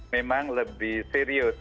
memang lebih serius